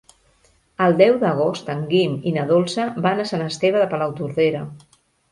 El deu d'agost en Guim i na Dolça van a Sant Esteve de Palautordera.